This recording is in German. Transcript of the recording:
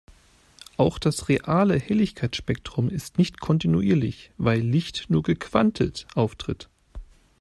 Auch das reale Helligkeitsspektrum ist nicht kontinuierlich, weil Licht nur gequantelt auftritt.